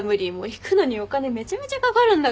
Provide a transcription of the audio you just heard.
行くのにお金めちゃめちゃかかるんだから。